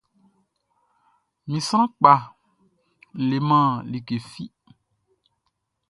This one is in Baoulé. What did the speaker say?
Mi sran kpa n leman like fi.